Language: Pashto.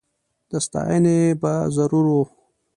د ستایني به ضرور و